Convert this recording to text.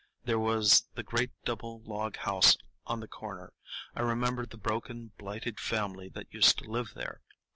There was the great double log house on the corner. I remembered the broken, blighted family that used to live there.